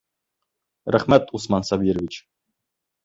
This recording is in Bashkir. Рәхмәт, Усман Сабирович!